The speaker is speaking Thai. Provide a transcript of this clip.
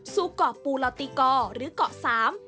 ซูเกาะปูลาติกอหรือเกาะสาม